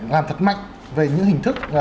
làm thật mạnh về những hình thức